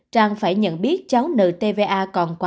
trang phải nhận biết cháu nợ tva còn quá